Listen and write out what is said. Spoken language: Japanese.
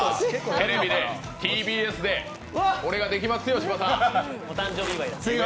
テレビでＴＢＳでこれができますよ、芝さん。